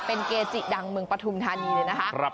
เป็นเกจิดังเมืองปฐุมธานีเลยนะคะ